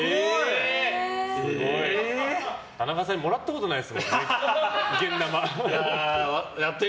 田中さんにもらったことないですよ、現ナマ。